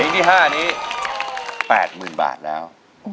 เท่งที่๕นี้๘๐๐๐๐บาทแล้ว